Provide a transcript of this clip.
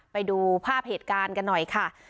ไปดูภาพเหตุการณ์กันหน่อยค่ะ